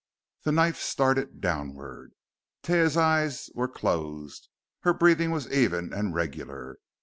The knife started downward. Taia's eyes were closed. Her breathing was even and regular.